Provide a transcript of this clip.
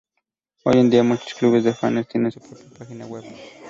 Hoy en día, muchos clubes de fanes tienen su propia página web.